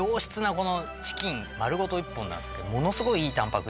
このチキンまるごと一本なんですけどものすごいいいタンパク